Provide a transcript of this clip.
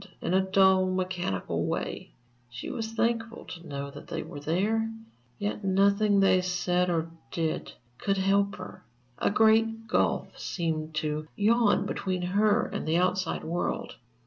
In a dull, mechanical way, she was thankful to know that they were there; yet nothing they said or did could help her, a great gulf seemed to yawn between her and the outside world....